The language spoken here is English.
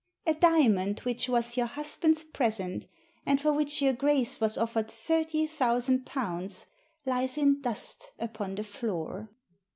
A diamond which was your husband's present, and for which your Grace was offered thirty thousand pounds, lies in dust upon the floor."